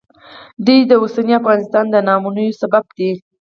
دوی د اوسني افغانستان د ناامنیو سبب دي